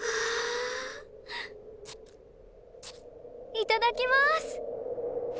いただきます！